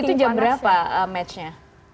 itu jam berapa matchnya